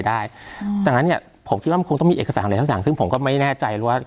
ดังนั้นผมคิดว่ามันคงต้องมีเอกสารไหนทั้งสามซึ่งผมไม่แน่ใจว่า